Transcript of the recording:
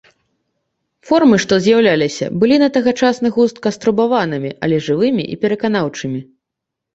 Формы, што з'яўляліся, былі, на тагачасны густ, каструбаватымі, але жывымі і пераканаўчымі.